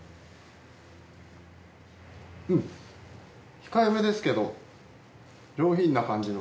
控えめですけど上品な感じの。